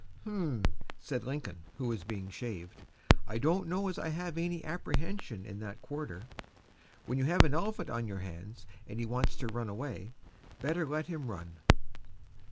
"H'm," said Lincoln, who was being shaved, "I don't know as I have any apprehension in that quarter. When you have an elephant on your hands, and he wants to run away, better let him run!"